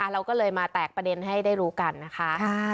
เราก็เลยมาแตกประเด็นให้ได้รู้กันนะคะ